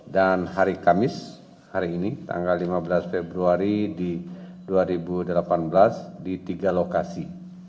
dan hari kamis hari ini tanggal lima belas februari dua ribu delapan belas di tiga lokasi